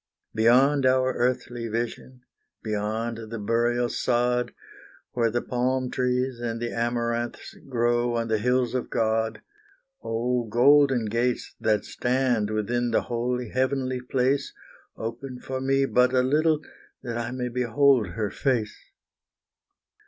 Beyond our earthly vision beyond the burial sod, Where the palm trees and the amaranths grow on the hills of God, Oh, golden gates, that stand within the holy, heavenly place, Open for me but a little, that I may behold her face.